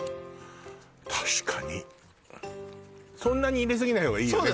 確かにそんなに入れすぎない方がいいよね？